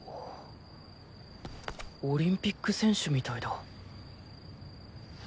オリンピック選手みたいだ。